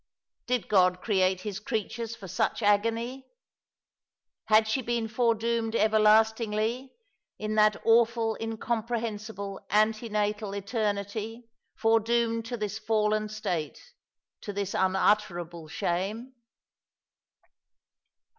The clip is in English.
Did God create His creatures for such agony? Had she been foredoomed everlastingly — in that awful incomprehensible ante natal Eternity — foredoomed to this fallen state, to this unutterable shame?